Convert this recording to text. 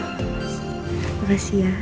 terima kasih ya